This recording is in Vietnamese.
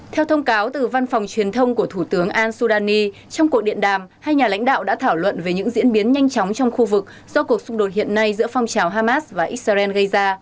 theo thông cáo từ văn phòng truyền thông của thủ tướng al sudani trong cuộc điện đàm hai nhà lãnh đạo đã thảo luận về những diễn biến nhanh chóng trong khu vực do cuộc xung đột hiện nay giữa phong trào hamas và israel gây ra